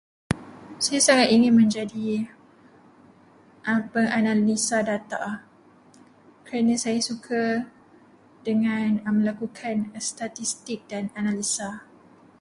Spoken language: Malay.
Saya sangat ingin menjadi penganalisa data, kerana saya suka dengan melakukan statistik dan analisa.